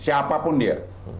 siapa pun dia